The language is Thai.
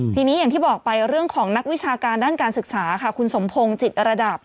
ทีนี้อย่างที่บอกไปเรื่องของนักวิชาการด้านการศึกษาค่ะคุณสมพงศ์จิตระดับ